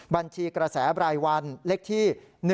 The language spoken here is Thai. บัญชีกระแสบรายวันเลขที่๑๙๖๓๐๖๖๕๖๖